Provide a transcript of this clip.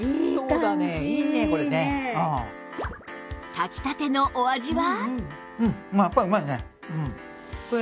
炊きたてのお味は？